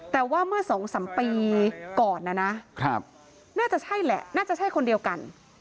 แต่ว่าเมื่อ๒๓ปีก่อนนะนะน่าจะใช่แหละน่าจะใช่คนเดียวกัน